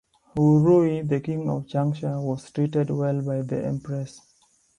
Wu Rui, the king of Changsha, was treated well by the Empress.